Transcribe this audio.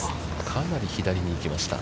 かなり左に行きました。